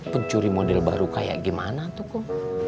pencuri model baru kayak gimana atukum